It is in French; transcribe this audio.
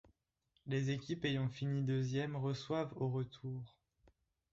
Les équipes ayant fini deuxièmes reçoivent au retour.